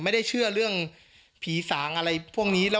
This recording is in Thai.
ไม่ได้เชื่อเรื่องผีสางอะไรพวกนี้